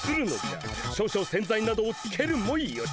少々洗剤などをつけるもよし。